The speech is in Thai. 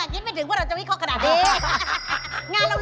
คิดไม่ถึงว่าเราจะวิเคราะห์ขนาดนี้